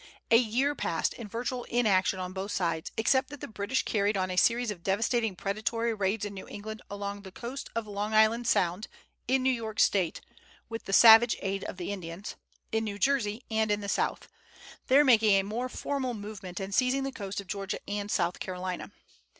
A year passed in virtual inaction on both sides, except that the British carried on a series of devastating predatory raids in New England along the coast of Long Island Sound, in New York State (with the savage aid of the Indians), in New Jersey, and in the South, there making a more formal movement and seizing the coast of Georgia and South Carolina.